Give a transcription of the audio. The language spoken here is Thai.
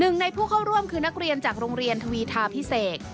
หนึ่งในผู้เข้าร่วมคือนักเรียนจากโรงเรียนทวีทาพิเศษ